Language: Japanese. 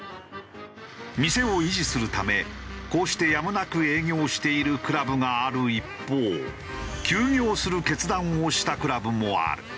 店を維持するためこうしてやむなく営業しているクラブがある一方休業する決断をしたクラブもある。